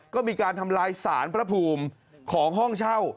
ก็มีการทำลายสารพระภูมิของห้องเช่า